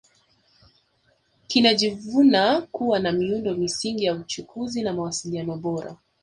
Kinajivuna kuwa na miundo msingi ya uchukuzi na mawasiliano bora